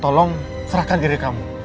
tolong serahkan diri kamu